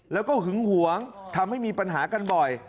แล้วก็หึงหวงทำให้มีปัญหากันบ่อย